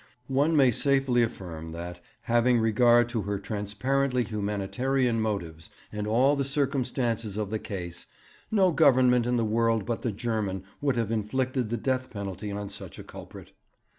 One may safely affirm that, having regard to her transparently humanitarian motives and all the circumstances of the case, no Government in the world but the German would have inflicted the death penalty on such a culprit.